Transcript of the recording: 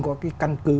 có cái căn cứ